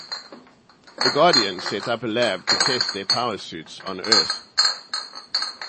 The Guardians set up a lab to test their power suits on Earth.